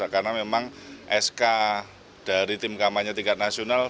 karena memang sk dari tim kampanye tingkat nasional